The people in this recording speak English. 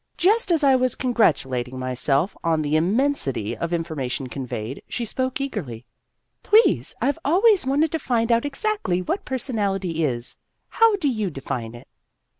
Just as I was congratulating myself on the immensity of information conveyed, she spoke eagerly :" Please, I Ve always wanted to find out exactly what personality is. How do you define it?"